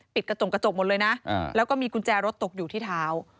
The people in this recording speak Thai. กระจกกระจกหมดเลยนะแล้วก็มีกุญแจรถตกอยู่ที่เท้า